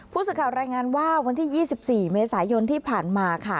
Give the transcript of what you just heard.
ผู้สื่อข่าวรายงานว่าวันที่๒๔เมษายนที่ผ่านมาค่ะ